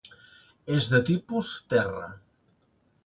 És de tipus terra.